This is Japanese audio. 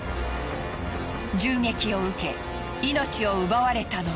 銃撃を受け命を奪われたのは。